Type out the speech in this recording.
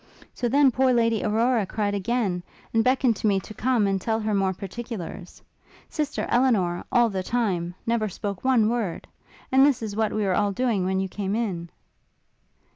So then poor Lady Aurora cried again, and beckoned to me to come and tell her more particulars. Sister Elinor, all the time, never spoke one word. And this is what we were all doing when you came in.'